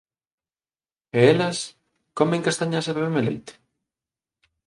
E elas, comen castañas e beben leite?